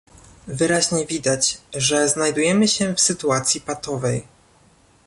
Wyraźnie widać, że znajdujemy się w sytuacji patowej